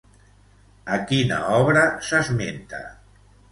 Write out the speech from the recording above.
A quina obra s'esmenta?